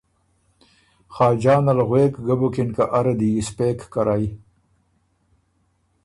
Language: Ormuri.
خاجان ال غوېک ګۀ بُکِن که اره دی یِسپېک کرئ